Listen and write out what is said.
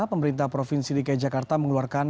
pemerintah provinsi dki jakarta mengeluarkan